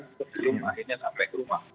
sebelum akhirnya sampai ke rumah